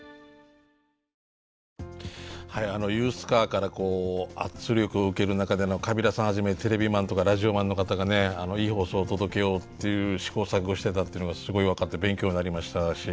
ＵＳＣＡＲから圧力を受ける中での川平さんはじめテレビマンとかラジオマンの方がねいい放送を届けようっていう試行錯誤してたっていうのがすごい分かって勉強になりましたし。